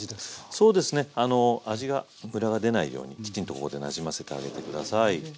そうですね味がムラが出ないようにきちんとここでなじませてあげて下さい。